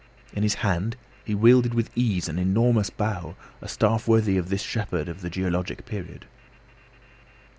In his hand he wielded with ease an enormous bough, a staff worthy of this shepherd of the geologic period.